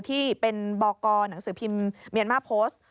ที่เป็นบกหนังสือพิมพ์เมียนมาร์โพสต์